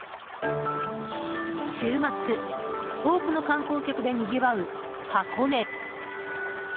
週末多くの観光客でにぎわう箱根。